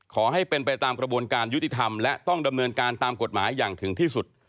ขอให้เป็นไปตามกระบวนการยุติธรรมและต้องดำเนินการตามกฎหมายอย่างถึงที่สุด